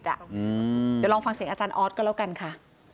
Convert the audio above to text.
เดี๋ยวลองฟังเสียงอาจารย์ออสก็แล้วกันค่ะ